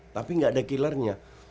tapi gak ada killernya